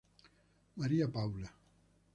María Paula.